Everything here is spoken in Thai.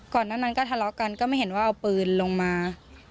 ก่อนหน้านั้นก็ทะเลาะกันก็ไม่เห็นว่าเอาปืนลงมา